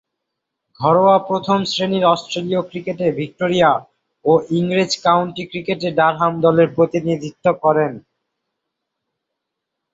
ঘরোয়া প্রথম-শ্রেণীর অস্ট্রেলীয় ক্রিকেটে ভিক্টোরিয়া ও ইংরেজ কাউন্টি ক্রিকেটে ডারহাম দলের প্রতিনিধিত্ব করেন।